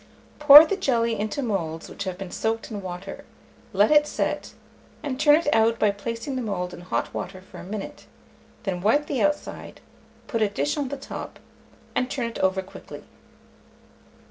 Pour the jelly into moulds which have been soaked in water; let it set, and turn it out by placing the mould in hot water for a minute; then wipe the outside, put a dish on the top, and turn it over quickly.